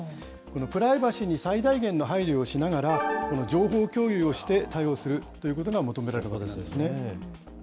プライバシーに最大限の配慮をしながら、情報共有をして対応するということが求められるんですね。